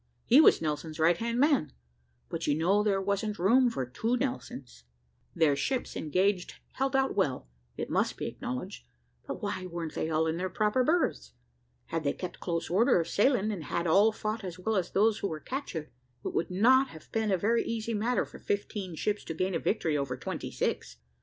He was Nelson's right hand man; but you know there wasn't room for two Nelsons. Their ships engaged held out well, it must be acknowledged, but why wer'n't they all in their proper berths? Had they kept close order of sailing, and had all fought as well as those who were captured, it would not have been a very easy matter for fifteen ships to gain a victory over twenty six.